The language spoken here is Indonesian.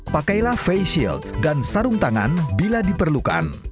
pakailah face shield dan sarung tangan bila diperlukan